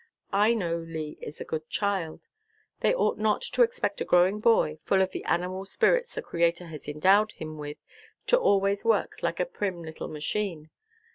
I know Lee is a good child. They ought not to expect a growing boy, full of the animal spirits the Creator has endowed him with, to always work like a prim little machine.